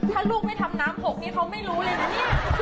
ถ้าลูกไม่ทำน้ำหกนี้เขาไม่รู้เลยนะเนี่ย